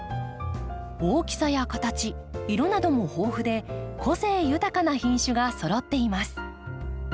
大きさや形色なども豊富で個性豊かな品種がそろっています。